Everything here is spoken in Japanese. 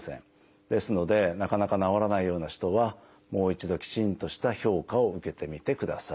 ですのでなかなか治らないような人はもう一度きちんとした評価を受けてみてください。